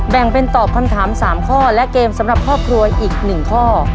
แบ่งเป็นตอบคำถาม๓ข้อและเกมสำหรับครอบครัวอีก๑ข้อ